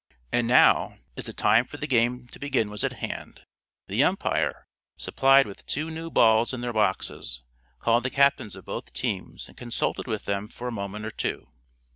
And now, as the time for the game to begin was at hand, the umpire, supplied with two new balls in their boxes, called the captains of both teams and consulted with them for a moment or two.